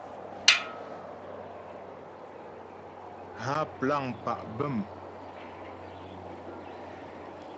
Há plâŋ pá' bə̂m.